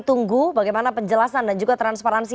tunggu bagaimana penjelasan dan juga transparansi